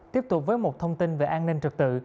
tiếp tục với một thông tin về an ninh trật tự